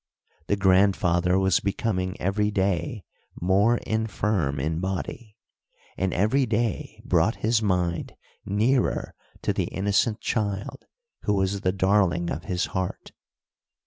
The grandfather was becoming every day more infirm in body, and every day brought his mind nearer to the innocent child who was the darling of his heart.